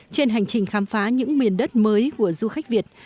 trên hành trình khám phá những miền đất mới của du khách việt